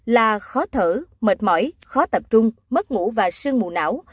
là khó thở mệt mỏi khó tập trung mất ngủ và sương mù não